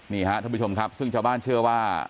ท่านผู้ชมครับซึ่งชาวบ้านเชื่อว่า